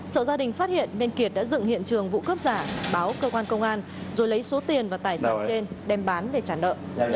sợ gia đình phát hiện nên kiệt đã dựng hiện trường vụ cướp giả báo cơ quan công an rồi lấy số tiền và tài sản trên đem bán để trả nợ